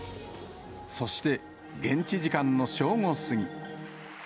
そして、現地時間の正午過ぎ。